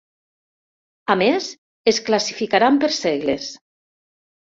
A més, es classificaran per segles.